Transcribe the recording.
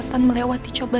si buruk rupa